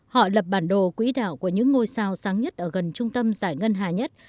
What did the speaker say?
họ lập bản đồ quỹ đạo của những ngôi sao sáng nhất ở gần trung tâm giải ngân hà nhất